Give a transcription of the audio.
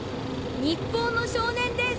日本の少年です。